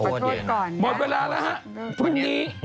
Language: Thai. เวลาแล้วครับพรุ่งนี้